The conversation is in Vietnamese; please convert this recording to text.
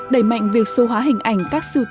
đẩy mạnh việc số hóa hình ảnh các sưu tập